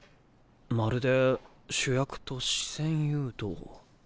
まるで主役と視線誘導。